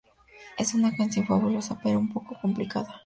Es una canción fabulosa, pero un poco complicada.